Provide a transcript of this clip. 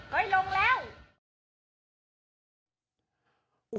เฮ้ยลงแล้ว